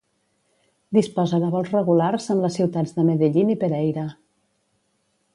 Disposa de vols regulars amb les ciutats de Medellín i Pereira.